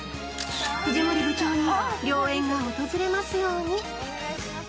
藤森部長に良縁が訪れますように。